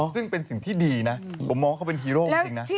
ซึ่งเป็นสิ่งที่ดีนะผมมองว่าเขาเป็นฮีโร่จริงนะ